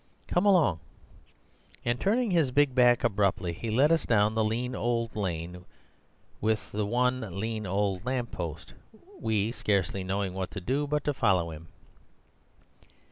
Come along!' And turning his big back abruptly, he led us down the lean old lane with the one lean old lamp post, we scarcely knowing what to do but to follow him.